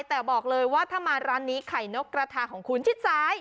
แต่บอกเลยว่าถ้ามาร้านนี้ไข่นกกระทาของคุณชิดซ้าย